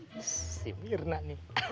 hah si mirna nih